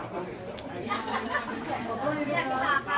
ขอบคุณนะคะ